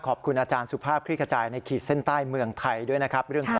ขอบคุณอาจารย์สุภาพคลิกขจายในขีดเส้นใต้เมืองไทยด้วยนะครับ